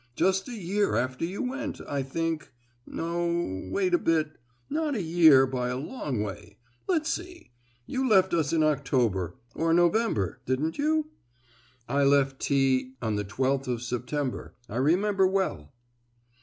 Just a year after you went, I think—no, wait a bit—not a year by a long way!—Let's see, you left us in October, or November, didn't you?" "I left T—— on the twelfth of September, I remember well."